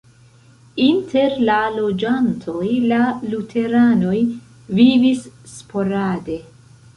Inter la loĝantoj la luteranoj vivis sporade.